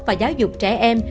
và giáo dục trẻ em